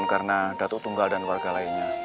karena datuk tunggal dan warga lainnya